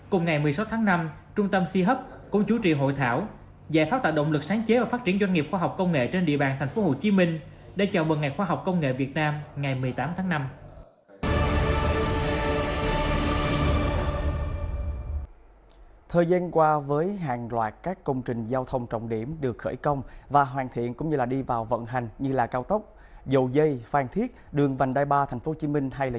cùng ngày một mươi sáu tháng năm trung tâm c hub cũng chú trị hội thảo giải pháp tạo động lực sáng chế